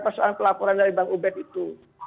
persoalan pelaporan dari bang ubed itu